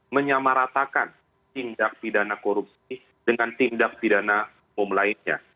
membatalkan tindak pidana korupsi dengan tindak pidana om lainnya